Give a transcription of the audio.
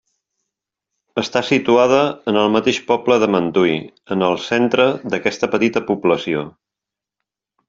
Està situada en el mateix poble de Mentui, en el centre d'aquesta petita població.